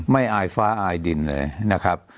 อายฟ้าอายดินเลยนะครับ